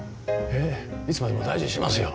いつまでも大事にしますよ。